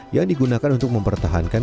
yang digunakan untuk mempertahankan